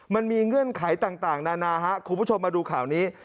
เงื่อนไขต่างนานาคุณผู้ชมมาดูข่าวนี้